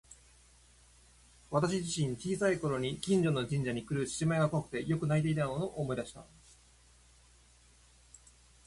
私自身、小さい頃に近所の神社にくる獅子舞が怖くてよく泣いていたのを思い出した。